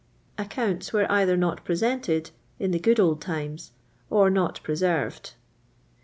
Acioonnts were either not presented in '' the good old times," or not preserved.